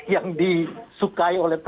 yang disukai oleh dpr